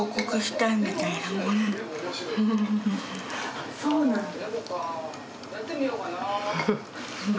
あっそうなんだ。